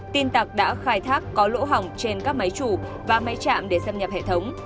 tin tặc đã khai thác có lỗ hỏng trên các máy chủ và máy chạm để xâm nhập hệ thống